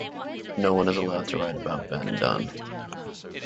No one is allowed to write about Ben Dunne.